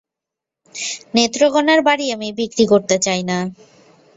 নেত্রকোণার বাড়ি আমি বিক্রি করতে চাই না।